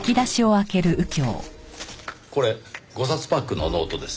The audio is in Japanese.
これ５冊パックのノートです。